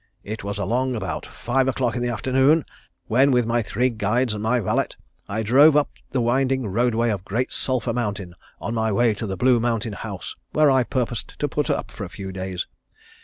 It was along about five o'clock in the afternoon when with my three guides and my valet I drove up the winding roadway of Great Sulphur Mountain on my way to the Blue Mountain House where I purposed to put up for a few days.